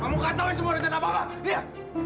kamu kacauin semua rencana papa